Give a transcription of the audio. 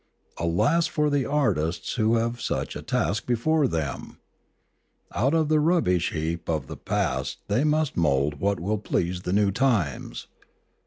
Alas for the artists who have such a task before them ! Out of the rubbish heap of the past they must mould what will please the new times.